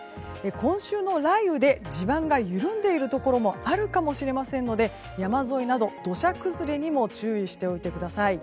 今週の雷雨で地盤が緩んでいるところもあるかもしれませんので山沿いなど土砂崩れにも注意しておいてください。